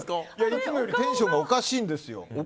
いつもよりテンションがおかしいんですよ。